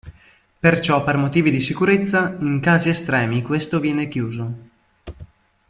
Perciò per motivi di sicurezza, in casi estremi questo viene chiuso.